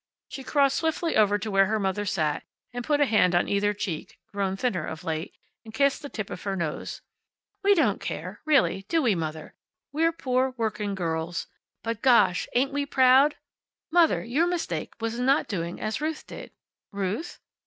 She crossed swiftly over to where her mother sat, and put a hand on either cheek (grown thinner of late) and kissed the tip of her nose. "We don't care really. Do we Mother? We're poor wurkin' girruls. But gosh! Ain't we proud? Mother, your mistake was in not doing as Ruth did." "Ruth?"